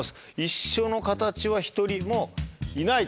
一緒の形は１人もいないと。